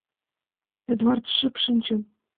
Эдвардат шып шинчен.